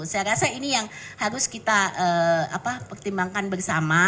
saya rasa ini yang harus kita pertimbangkan bersama